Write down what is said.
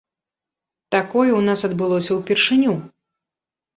Такое ў нас адбылося ўпершыню.